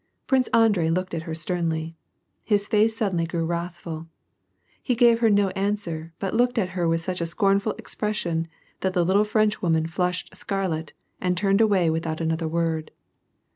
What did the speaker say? Prince Andrei looked at her sternly. His face suddenly grew wrathful. He gave her no answer, but looked at her with such a scornful expression that the little Frenchwoman flushed scarlet and turned away without another word.